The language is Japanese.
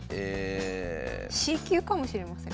Ｃ級かもしれません。